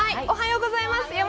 おはようございます。